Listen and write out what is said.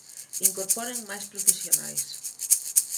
Incorporen máis profesionais.